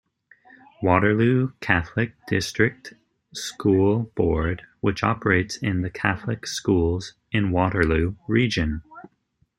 Waterloo Catholic District School Board, which operates the Catholic schools in Waterloo Region.